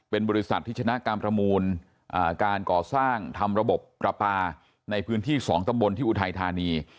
เป็นบริษัทที่ชนะการประมูลการก่อสร้างทำระบบประปาในพื้นที่๒ตำบลที่อุทัยธานี